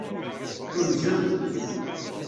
Tunzem.